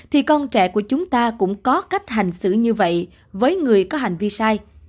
thì con trẻ của chúng ta cũng có cách hành xử như vậy với người có hành vi sai